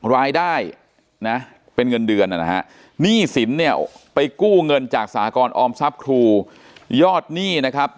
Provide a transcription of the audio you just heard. รายได้นะเป็นเงินเดือนนะฮะหนี้สินเนี่ยไปกู้เงินจากสากรออมทรัพย์ครูยอดหนี้นะครับ